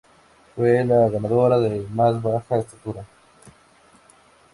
Fue la ganadora de más baja estatura.